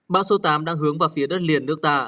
bão số tám đang hướng vào phía đất liền nước ta